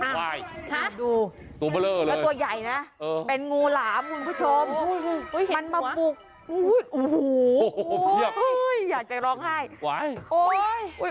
ว่ายตัวเบลอเลยแล้วตัวใหญ่นะเป็นงูหลามคุณผู้ชมมันมาปลูกโอ้โหอยากจะร้องไห้